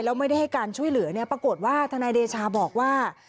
แล้วไม่ได้ให้การช่วยเหลือเนี่ยปรากฏว่าทนายเดชาบอกว่า